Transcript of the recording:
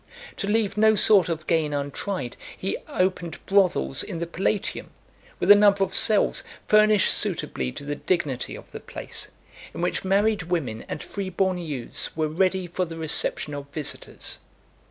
To leave no sort of gain untried, he opened brothels in the Palatium, with a number of cells, furnished suitably to the dignity of the place; in which married women and free born youths were ready for the reception of visitors.